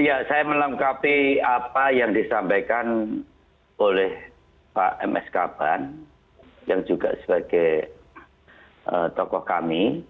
ya saya melengkapi apa yang disampaikan oleh pak ms kaban yang juga sebagai tokoh kami